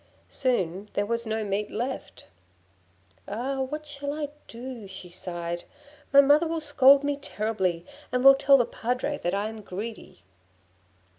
Soon there was no meat left. 'Ah, what shall I do?' she sighed, 'My mother will scold me terribly, and will tell the Padre that I am greedy.'